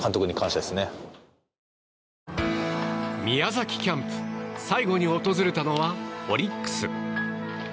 宮崎キャンプ最後に訪れたのはオリックス。